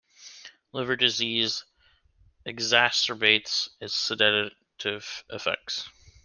Liver disease exacerbates its sedative effects.